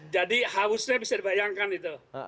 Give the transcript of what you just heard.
jadi hausnya bisa dibayangkan itu